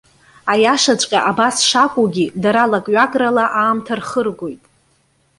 Аиашаҵәҟьа абас шакәугьы, дара лакҩакрала аамҭа рхыргоит.